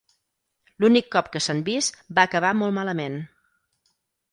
L'únic cop que s'han vist va acabar molt malament.